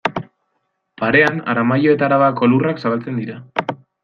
Parean Aramaio eta Arabako lurrak zabaltzen dira.